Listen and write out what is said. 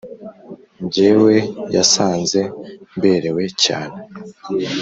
Njyewe yasanze mberewe cyane